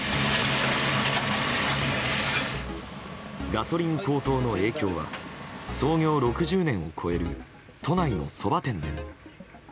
ガソリン高騰の影響は創業６０年を超える都内のそば店でも。